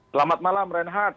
selamat malam renhard